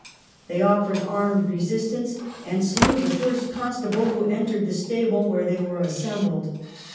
They offered armed resistance, and slew the first constable who entered the stable The police where they were assembled.